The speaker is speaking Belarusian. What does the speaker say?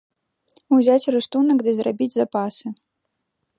Узяць рыштунак, ды зрабіць запасы.